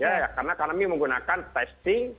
ya karena kami menggunakan testing